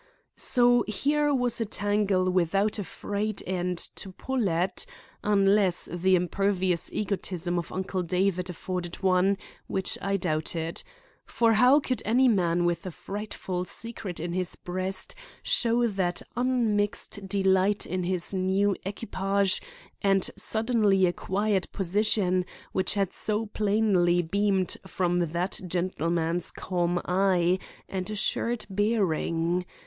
So here was a tangle without a frayed end to pull at, unless the impervious egotism of Uncle David afforded one, which I doubted. For how could any man with a frightful secret in his breast show that unmixed delight in his new equipage and suddenly acquired position, which had so plainly beamed from that gentleman's calm eye and assured bearing?